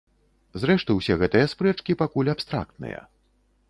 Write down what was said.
Зрэшты, усе гэтыя спрэчкі пакуль абстрактныя.